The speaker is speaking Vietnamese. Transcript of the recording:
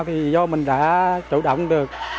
thì do mình đã chủ động được